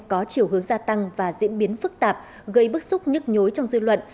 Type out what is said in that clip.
có chiều hướng gia tăng và diễn biến phức tạp gây bức xúc nhức nhối trong dư luận